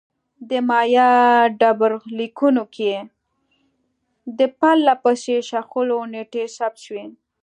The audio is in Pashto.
د مایا ډبرلیکونو کې د پرله پسې شخړو نېټې ثبت شوې